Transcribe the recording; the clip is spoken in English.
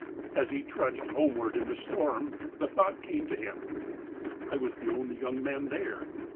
As he trudged homeward in the storm the thought came to him : "I was the only young man there.